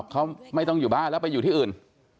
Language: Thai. เขาไม่ต้องอยู่บ้านแล้วไปอยู่ที่อื่น